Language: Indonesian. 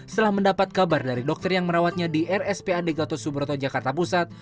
setelah mendapat kabar dari dokter yang merawatnya di rspad gatot subroto jakarta pusat